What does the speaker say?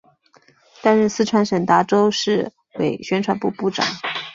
担任四川省达州市委宣传部部长。